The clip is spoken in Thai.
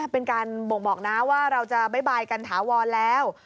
เป็นการบ่งบอกนะว่าเราจะบ๊ายกันถาวรแล้ว